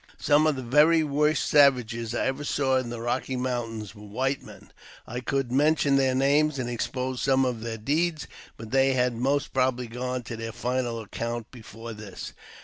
Some of the very worst savages I ever saw in the Eocky Mountains were white men, and I could mention their names and expose some of their deeds, but they have most probably gone to their final account before this.